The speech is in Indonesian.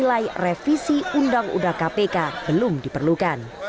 penilai revisi undang udah kpk belum diperlukan